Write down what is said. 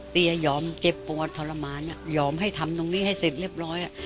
ยอมเจ็บปวดทรมานยอมให้ทำตรงนี้ให้เสร็จเรียบร้อย